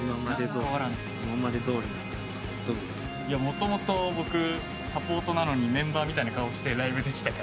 もともと僕サポートなのにメンバーみたいな顔してライブ出てたから。